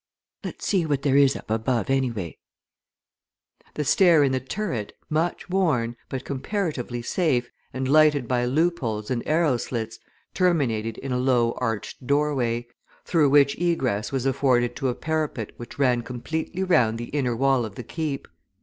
Let's see what there is up above, anyway." The stair in the turret, much worn, but comparatively safe, and lighted by loopholes and arrow slits, terminated in a low arched doorway, through which egress was afforded to a parapet which ran completely round the inner wall of the Keep.